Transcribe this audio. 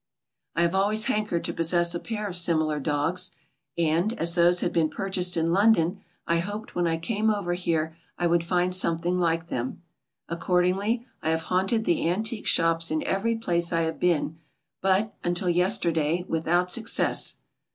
I have always hankered to possess a pair of similar dogs, and, as those had been purchased in London, I hoped when I came over here, I would find something like them. Ac cordingly I have haunted the antique shops in every place I have been but, undt yesterday, without success.